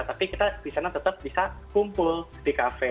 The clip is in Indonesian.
tapi kita di sana tetap bisa kumpul di kafe